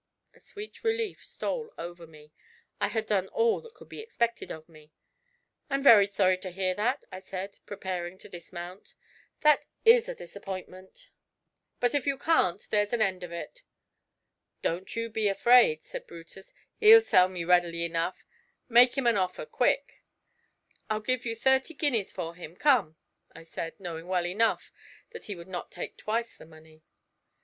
A sweet relief stole over me: I had done all that could be expected of me. 'I'm very sorry to hear that,' I said, preparing to dismount. 'That is a disappointment; but if you can't there's an end of it.' 'Don't you be afraid,' said Brutus, 'he'll sell me readily enough: make him an offer, quick!' 'I'll give you thirty guineas for him, come!' I said, knowing well enough that he would not take twice the money.